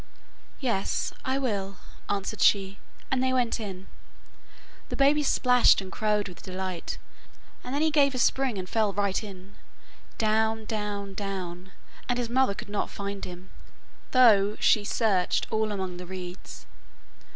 'Yes, I will,' answered she, and they went in. The baby splashed and crowed with delight, and then he gave a spring and fell right in, down, down, down, and his mother could not find him, though she searched all among the reeds.